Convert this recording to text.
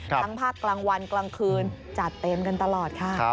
ภาคกลางวันกลางคืนจัดเต็มกันตลอดค่ะ